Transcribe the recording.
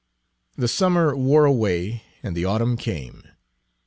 Page 148 The summer wore away and the autumn came.